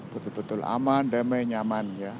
betul betul aman damai nyaman